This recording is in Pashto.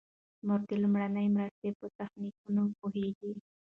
مور د لومړنۍ مرستې په تخنیکونو پوهیږي.